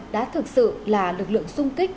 đã thực sự là lực lượng xung kích